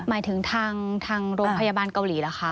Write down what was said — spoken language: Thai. หมายถึงทางโรงพยาบาลเกาหลีเหรอคะ